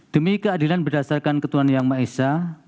demi keadilan berdasarkan ketuan yang maesah